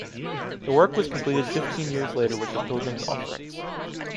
The work was completed fifteen years later with the pilgrims’ offerings.